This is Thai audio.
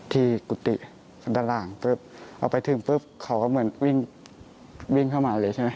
กุฏิด้านล่างปุ๊บออกไปถึงปุ๊บเขาก็เหมือนวิ่งวิ่งเข้ามาเลยใช่ไหม